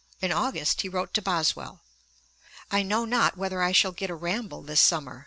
In August he wrote to Boswell: 'I know not whether I shall get a ramble this summer....